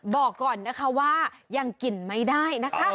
บอกก่อนนะคะว่ายังกินไม่ได้นะคะ